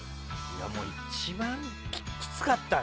一番きつかったな。